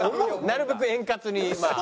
なるべく円滑にまあ。